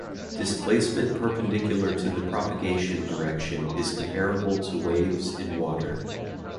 Displacement perpendicular to the propagation direction is comparable to waves in water.